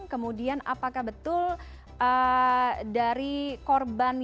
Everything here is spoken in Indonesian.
kemudian apakah betul dari korban